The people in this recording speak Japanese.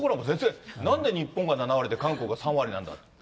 なんで日本が７割で韓国が３割なんだって。